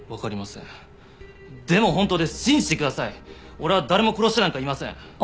俺は誰も殺してなんかいません！